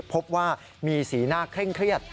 พบว่ามีสีหน้าเคร่งเครียด